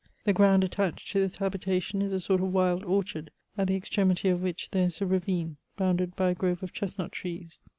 The ground attached to this habitation b a sort of wild orchard, at the extremity of which there is a ravine, bounded by a grove of chestnut trees.